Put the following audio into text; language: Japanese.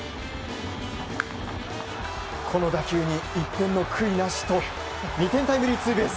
この打球に一片の悔いなしと２点タイムリーツーベース。